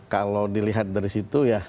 kalau dilihat dari situ